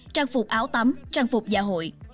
trang phục áo tắm trang phục giả hội